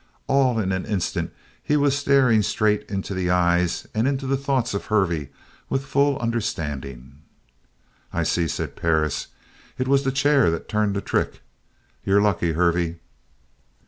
All in an instant he was staring straight into the eyes and into the thoughts of Hervey with full understanding. "I see," said Perris, "it was the chair that turned the trick. You're lucky, Hervey."